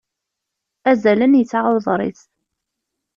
Azalen yesɛa uḍris.